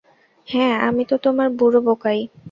হ্যাঁ, আমি তো তোমার বুড়ো বোকাই।